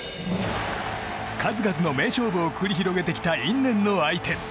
数々の名勝負を繰り広げてきた因縁の相手。